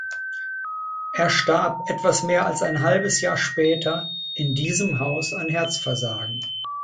Er starb etwas mehr als ein halbes Jahr später in diesem Haus an Herzversagen.